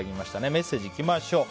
メッセージいきましょう。